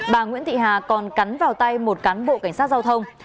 bà nguyễn thị hà còn cắn vào tay một cán bộ cảnh sát giao thông